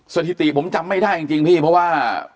สถิติผมจำไม่ได้จริงพี่เพราะว่า